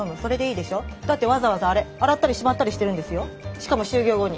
しかも終業後に。